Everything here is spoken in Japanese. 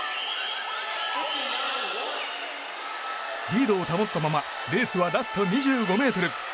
リードを保ったままレースはラスト２５ｍ。